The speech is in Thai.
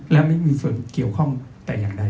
และไม่มีส่วนเกี่ยวข้องแต่อย่างใด